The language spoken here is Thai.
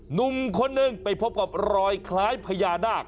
หนุ่มคนหนึ่งไปพบกับรอยคล้ายพญานาค